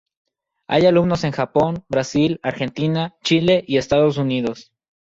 Hay alumnos en Japón, Brasil, Argentina, Chile y Estados Unidos.